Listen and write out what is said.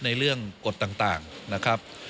ในเรื่องกฎต่างนะครับ